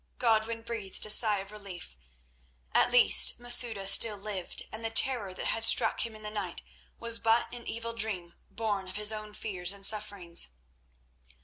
Godwin breathed a sigh of relief. At least, Masouda still lived, and the terror that had struck him in the night was but an evil dream born of his own fears and sufferings.